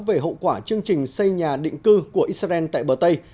về hậu quả chương trình xây nhà định cư của israel tại bờ tây